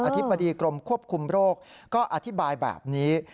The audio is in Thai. ธิบดีกรมควบคุมโรคก็อธิบายแบบนี้